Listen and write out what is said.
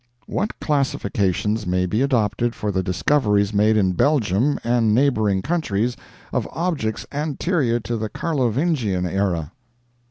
What classifications may be adopted for the discoveries made in Belgium and neighboring countries of objects anterior to the Carlovingian era?